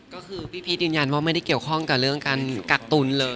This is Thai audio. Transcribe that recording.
ก็คือพี่พีชยืนยันว่าไม่ได้เกี่ยวข้องกับเรื่องการกักตุลเลย